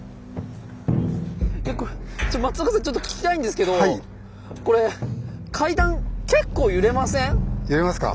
えっこれちょ松岡さんちょっと聞きたいんですけどこれ揺れますか？